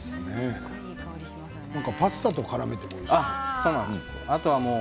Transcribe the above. パスタとからめてもいいですね。